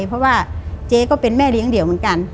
เพราะว่าเจ๊ก็เป็นแม่เลี้ยงเดี่ยวเหมือนกัน